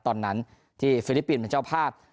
ตอนนั้นที่ฟิลิปปินส์เป็นเจ้าภาพ